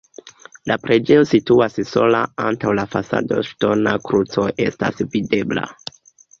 La preĝejo situas sola, antaŭ la fasado ŝtona kruco estas videbla.